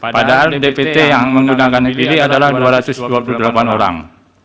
padahal dpt yang menggunakan dpd adalah dua ratus dua puluh delapan orang